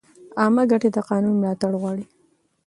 عامه ګټې د قانون ملاتړ غواړي.